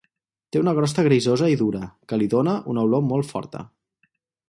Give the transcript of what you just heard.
Té una crosta grisosa i dura, que li dóna una olor molt forta.